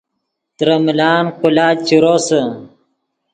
ترے ملان قولاچ چے روسے